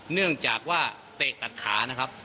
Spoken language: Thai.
เนื่องจากว่าเตะตัดขานะครับ